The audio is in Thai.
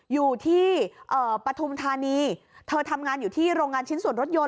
อยู่ที่ปฐุมธานีเธอทำงานอยู่ที่โรงงานชิ้นส่วนรถยนต